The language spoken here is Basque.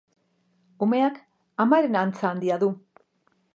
Umeak amaren antza handia du.